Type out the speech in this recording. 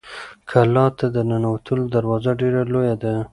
کلا ته د ننوتلو دروازه ډېره لویه ده.